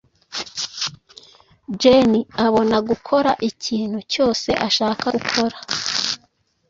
Jane abona gukora ikintu cyose ashaka gukora.